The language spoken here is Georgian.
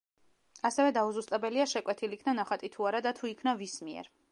ასევე დაუზუსტებელია, შეკვეთილ იქნა ნახატი თუ არა, და თუ იქნა ვის მიერ.